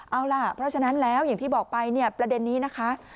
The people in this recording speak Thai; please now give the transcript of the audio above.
เอาล่ะเพราะฉะนั้นแล้วอย่างที่บอกไปเนี่ยประเด็นนี้นะคะ